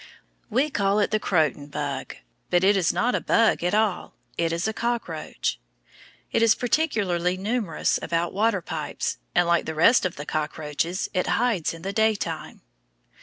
We call it the croton bug, but it is not a bug at all, it is a cockroach. It is particularly numerous about water pipes, and, like the rest of the cockroaches, it hides in the daytime.